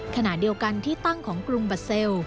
ขณะเดียวกันที่ตั้งของกรุงบัสเซล